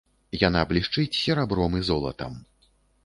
Яна блішчыць серабром і золатам.